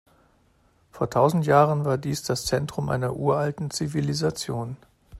Vor tausend Jahren war dies das Zentrum einer uralten Zivilisation.